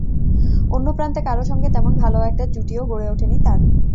অন্য প্রান্তে কারও সঙ্গে তেমন ভালো একটা জুটিও গড়ে ওঠেনি তাঁর।